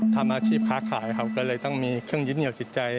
ทำอาชีพค้าขายครับก็เลยต้องมีเครื่องยึดเหนียวจิตใจ